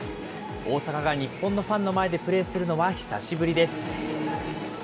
大坂が日本のファンの前でプレーするのは久しぶりです。